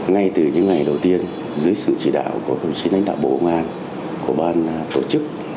ngay từ những ngày đầu tiên dưới sự chỉ đạo của công sĩ lãnh đạo bộ ngoan của ban tổ chức